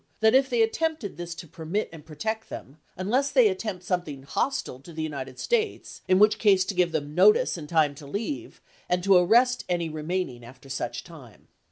that if they attempt this to permit and protect them, un less they attempt something hostile to the United States, in which case to give them notice and time to leave, and to arrest any remaining after such time.